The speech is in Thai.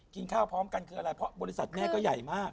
กินข้าวพร้อมกันคืออะไรเพราะบริษัทแม่ก็ใหญ่มาก